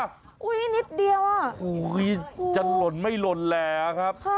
นี่นิดเดียวอ่ะจะหล่นไม่หล่นแหลครับ